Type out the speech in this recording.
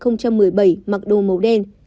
năm hai nghìn một mươi bảy mặc đồ màu đen